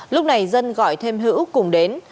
lúc này dân gọi thêm hữu cùng đến